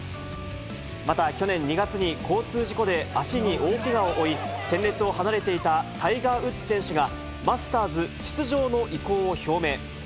また、去年２月に交通事故で足に大けがを負い、戦列を離れていたタイガー・ウッズ選手が、マスターズ出場の意向を表明。